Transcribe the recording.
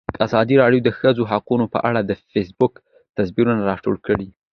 ازادي راډیو د د ښځو حقونه په اړه د فیسبوک تبصرې راټولې کړي.